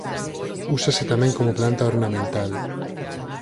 Úsase tamén como planta ornamental.